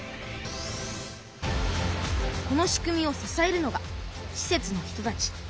この仕組みをささえるのがしせつの人たち。